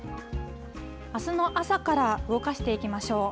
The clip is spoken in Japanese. あすの朝から動かしていきましょう。